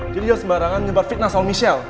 jadi lo sembarangan nyebar fitnah soal michelle